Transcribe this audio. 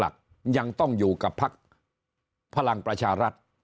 กับพักพลังประชารัฐ